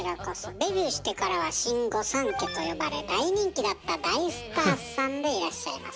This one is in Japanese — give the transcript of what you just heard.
デビューしてからは「新御三家」と呼ばれ大人気だった大スターさんでいらっしゃいます。